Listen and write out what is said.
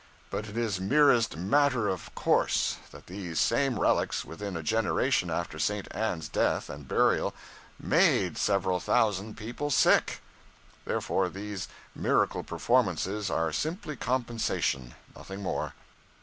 But it is merest matter of course that these same relics, within a generation after St. Anne's death and burial, _made _several thousand people sick. Therefore these miracle performances are simply compensation, nothing more.